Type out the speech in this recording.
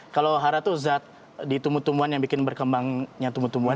kalau hara tuh zat di tumu tumuan yang bikin berkembangnya tumu tumuan